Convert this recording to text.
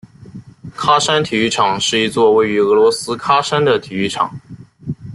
喀山体育场是一座位于俄罗斯喀山的体育场。